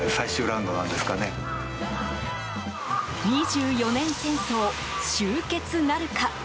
２４年戦争、終結なるか？